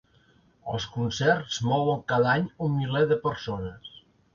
Els concerts mouen cada any un miler de persones.